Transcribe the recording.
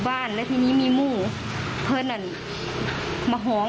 ไม่ไปที่นั่นอยู่เข้าละคนหนึ่ง